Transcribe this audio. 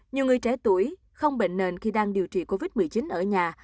nhiều người trẻ tuổi không bệnh nền khi đang điều trị covid một mươi chín ở nhà